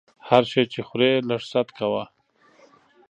هر شی چې خورې لږ ست کوه!